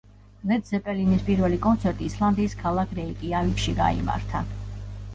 ლედ ზეპელინის პირველი კონცერტი ისლანდიის ქალაქ რეიკიავიკში გაიმართა.